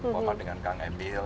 bapak dengan kang emil